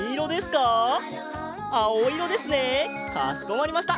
かしこまりました。